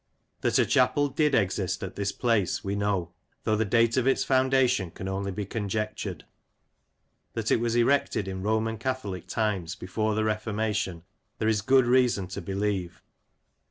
That a Chapel did exist at this place we know, though the date of its foundation can only be conjectured. That it was erected in Roman Catholic times, before the Reformation, there is good reason to believe.